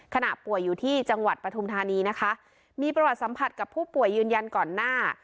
ป่วยอยู่ที่จังหวัดปฐุมธานีนะคะมีประวัติสัมผัสกับผู้ป่วยยืนยันก่อนหน้า